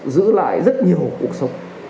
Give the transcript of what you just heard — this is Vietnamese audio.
giữ lại rất nhiều cuộc sống